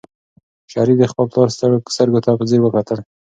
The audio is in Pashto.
شریف د خپل پلار ستړو سترګو ته په ځیر وکتل.